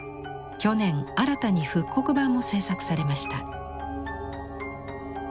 去年新たに復刻版も制作されました。